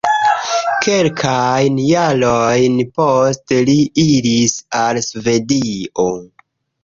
Kelkajn jarojn poste li iris al Svedio.